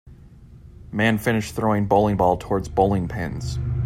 Man finished throwing bowling ball towards bowling pins.